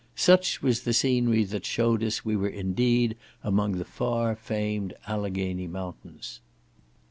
Such was the scenery that shewed us we were indeed among the far famed Alleghany mountains.